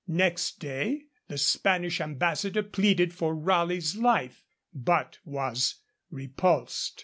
Next day, the Spanish ambassador pleaded for Raleigh's life, but was repulsed.